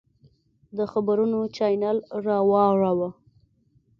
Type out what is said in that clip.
د خبرونو چاینل راواړوه!